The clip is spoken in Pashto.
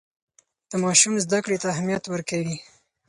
د ماشومانو زده کړې ته اهمیت ورکوي.